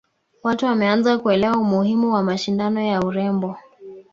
watu wameanza kuelewa umuhimu wa mashindano ya urembo